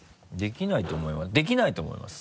できないと思います。